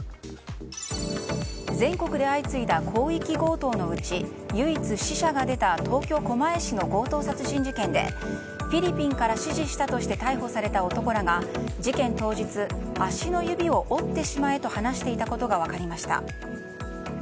全国で相次いだ広域強盗のうち唯一死者が出た東京・狛江市の強盗殺人事件でフィリピンから指示したとして逮捕された男らが事件当日足の指を折ってしまえと話していたことが分かりました。